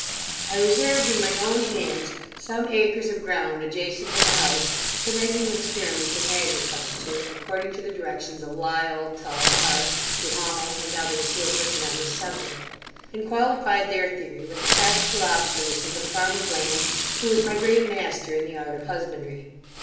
'I reserved in my own hands, some acres of ground adjacent to the house, for making experiments in agriculture, according to the directions of Lyle, Tull, Hart, Duhamel, and others who have written on this subject; and qualified their theory with the practical observations of farmer Bland, who was my great master in the art of husbandry.